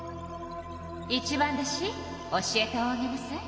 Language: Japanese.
一番弟子教えておあげなさい。